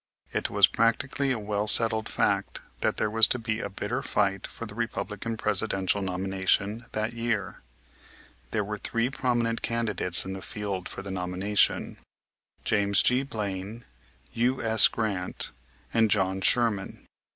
It was practically a well settled fact that there was to be a bitter fight for the Republican Presidential nomination that year. There were three prominent candidates in the field for the nomination, James G. Blaine, U.S. Grant, and John Sherman.